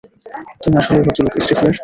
তুমি আসলেই ভদ্রলোক, স্টিফলার।